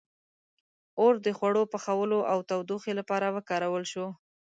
• اور د خوړو پخولو او تودوخې لپاره وکارول شو.